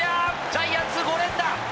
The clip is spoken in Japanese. ジャイアンツ、５連打！